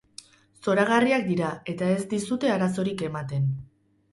Zoragarriak dira, eta ez dizute arazorik ematen.